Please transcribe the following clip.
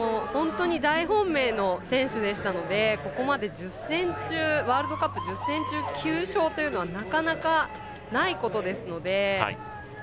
大本命の選手でしたのでここまでワールドカップ１０戦中９勝というのはなかなか、ないことですので。